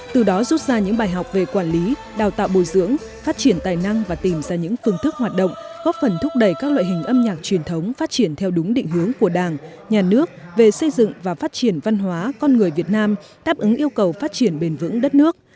từ đó rút ra những bài học về quản lý đào tạo bồi dưỡng phát triển tài năng và tìm ra những phương thức hoạt động góp phần thúc đẩy các loại hình âm nhạc truyền thống phát triển theo đúng định hướng của đảng nhà nước về xây dựng và phát triển văn hóa con người việt nam đáp ứng yêu cầu phát triển bền vững đất nước